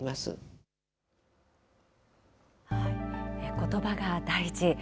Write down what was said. ことばが大事。